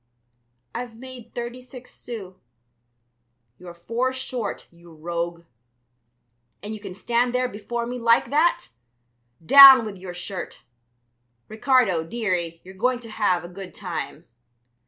"I've made thirty six sous." "You're four short, you rogue. And you can stand there before me like that! Down with your shirt! Ricardo, dearie, you're going to have a good time."